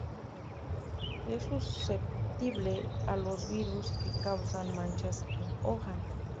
Es susceptible a los virus que causan manchas en hoja.